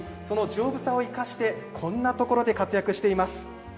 その丈夫さを生かしてこんなところで活躍しています。